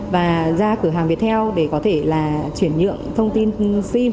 và ra cửa hàng việt heo để có thể là truyền nhượng thông tin xin